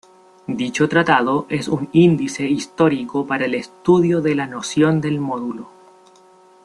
Dicho tratado es un índice histórico para el estudio de la noción del módulo.